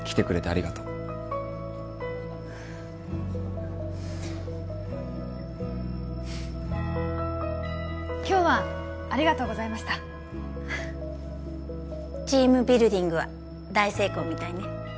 ありがとう今日はありがとうございましたチームビルディングは大成功みたいね